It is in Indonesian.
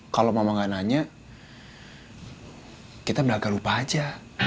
kalau mama nanya kita beragam lupa aja